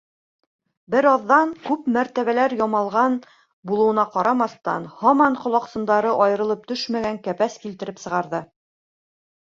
Бер аҙҙан, күп мәртәбәләр ямалған булыуына ҡарамаҫтан, һаман ҡолаҡсындары айырылып төшмәгән кәпәс килтереп сығарҙы.